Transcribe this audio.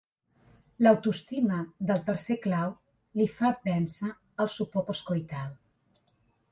L'autoestima del tercer clau li fa vèncer el sopor postcoital.